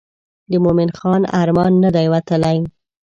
د مومن خان ارمان نه دی وتلی.